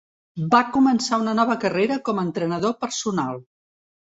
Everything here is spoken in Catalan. Va començar una nova carrera com a entrenador personal.